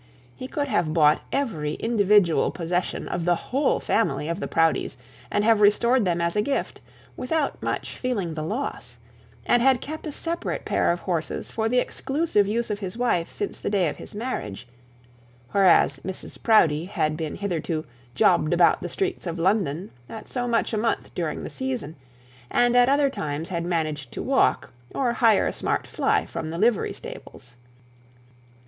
He could have bought every single individual possession of the whole family of the Proudies, and have restored them as a gift, without much feeling the loss; and had kept a separate pair of horses for the exclusive use of his wife since the day of their marriage; whereas Mrs Proudie had been hitherto jobbed about the streets of London at so much a month during the season; and at other times had managed to walk, or hire a smart fly from the livery stables.